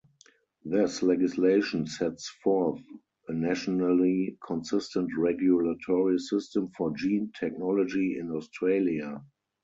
This legislation sets forth a nationally consistent regulatory system for gene technology in Australia.